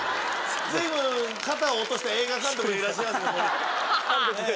随分肩を落とした映画監督がいらっしゃいます